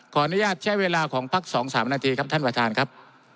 ขออนุญาตใช้เวลาของพัก๒๓นาทีครับท่านประธานครับ